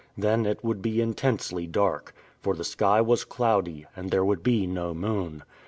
Then it would be intensely dark, for the sky was cloudy, and there would be no moon.